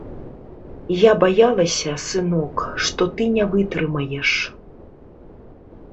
Я баялася, сынок, што ты не вытрымаеш.